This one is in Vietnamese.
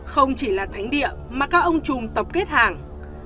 không chỉ là thánh địa mà các ông chùm tập kết hàng